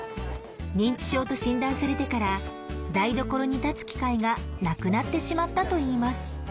認知症と診断されてから台所に立つ機会がなくなってしまったといいます。